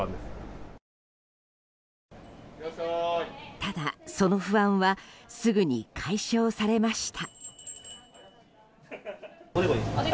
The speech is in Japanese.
ただ、その不安はすぐに解消されました。